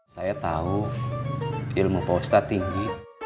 saya tahu ilmu pausta tinggi